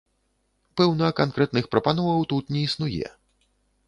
Пэўна, канкрэтных прапановаў тут не існуе.